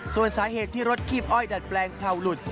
ส่วนสาเหตุที่รถคีบอ้อยดัดแปลงเข่าหลุด